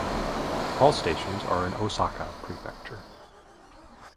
All stations are in Osaka Prefecture.